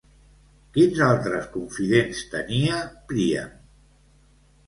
Quins altres confidents tenia, Príam?